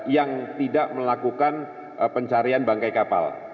yang tidak melakukan pencarian bangkai kapal